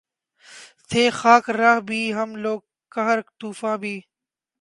تھے خاک راہ بھی ہم لوگ قہر طوفاں بھی